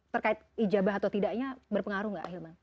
terkait ijabah atau tidaknya berpengaruh nggak ahilman